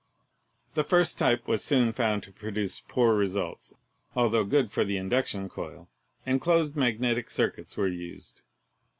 The first type was soon found to produce poor results, altho good for the induction coil, and closed magnetic circuits were used.